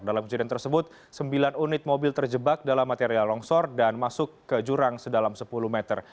dalam kejadian tersebut sembilan unit mobil terjebak dalam material longsor dan masuk ke jurang sedalam sepuluh meter